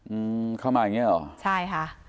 อืมค่ะมาอย่างนี้หรอใช่ค่ะ